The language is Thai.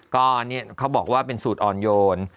ก็เขาบอกว่าเป็นสูตรอ่อนโยน